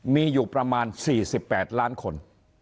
มีอยู่ประมาณ๔๘ล้านคน